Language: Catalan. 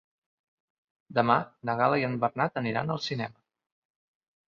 Demà na Gal·la i en Bernat aniran al cinema.